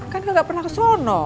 kan gak pernah kesana